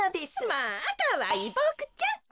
まあかわいいボクちゃん。